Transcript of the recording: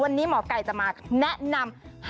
วันนี้หมอไก่จะมาแนะนำ